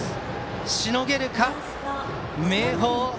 しのげるか、明豊。